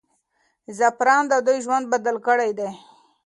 زعفران د دوی ژوند بدل کړی دی.